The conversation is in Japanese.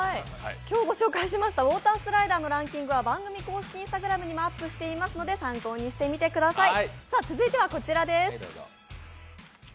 今日ご紹介しましたウォータースライダーのランキングは番組公式Ｉｎｓｔａｇｒａｍにもアップしていますので参考にしてみてください。